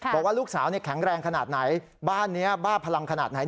บอกว่าลูกสาวแข็งแรงขนาดไหนบ้านนี้บ้าพลังขนาดไหน